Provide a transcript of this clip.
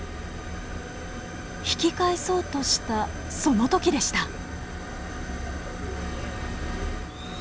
引き返そうとしたその時でした。